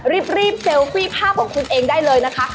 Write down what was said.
รีบเซลฟี่ภาพของคุณเองได้เลยนะคะ